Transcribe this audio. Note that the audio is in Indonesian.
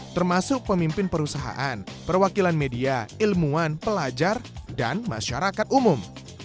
termasuk pemimpin perusahaan perwakilan media ilmuwan pelajar dan masyarakat umum